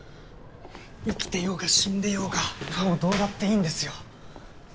生きてようが死んでようがもうどうだっていいんですよ。